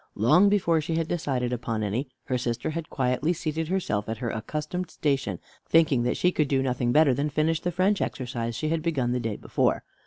Long before she had decided upon any, her sister had quietly seated herself at her accustomed station, thinking that she could do nothing better than finish the French exercise she had begun the day before.